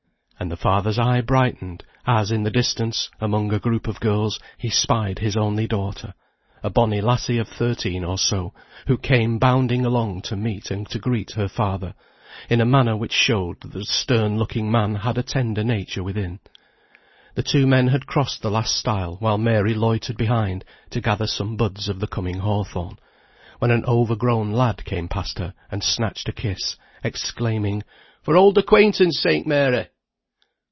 and the father's eye brightened, as in the distance, among a group of girls, he spied his only daughter, a bonny lassie of thirteen or so, who came bounding along to meet and to greet her father, in a manner which showed that the stern looking man had a tender nature within. The two men had crossed the last stile while Mary loitered behind to gather some buds of the coming hawthorn, when an over grown lad came past her, and snatched a kiss, exclaiming, "For old acquaintance sake, Mary."